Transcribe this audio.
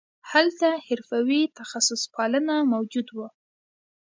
هلته حرفوي تخصص پالنه موجود وو